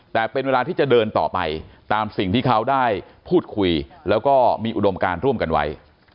แต่เป็นเวลาที่จะเดินต่อไปตามสิ่งที่เขาได้พูดคุยแล้วก็มีอุดมการร่วมกันไว้